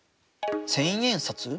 千円札？